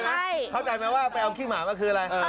เท่าใจไหมว่าไปอมขี้หมาว่าคืออะไร